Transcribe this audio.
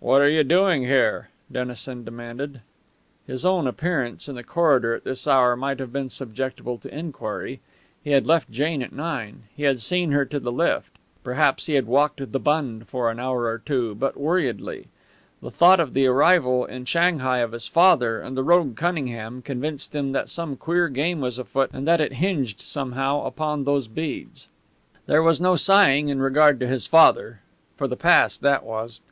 "What are you doing here?" Dennison demanded. His own appearance in the corridor at this hour might have been subjectable to inquiry. He had left Jane at nine. He had seen her to the lift. Perhaps he had walked the Bund for an hour or two, but worriedly. The thought of the arrival in Shanghai of his father and the rogue Cunningham convinced him that some queer game was afoot, and that it hinged somehow upon those beads. There was no sighing in regard to his father, for the past that was.